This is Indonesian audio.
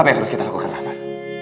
apa yang harus kita lakukan rahmat